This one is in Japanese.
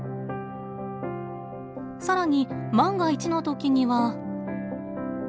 さらに万が一のときには。